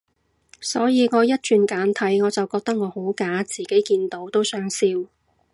所以我一轉簡體，我就覺得我好假，自己見到都想笑